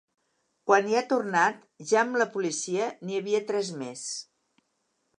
Quan hi ha tornat, ja amb la policia, n’hi havia tres més.